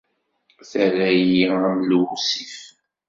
Terra-yi am lewsif.